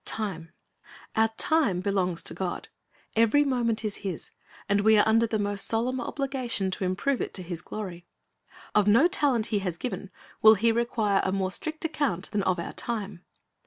TIME Our time belongs to God. Ev^ery moment is His, and we are under the most solemn obligation to improve it to His glory. Of no talent He has given will He require a more strict account than of our time.